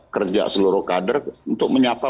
kerja seluruh kader untuk menyapa